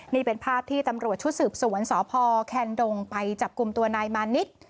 นี่เป็นภาพที่ตำรวจชุดสืบสวนสพแคนดงไปจับกลุ่มตัวนายมานิด